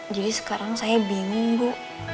jadi sekarang saya bingung bu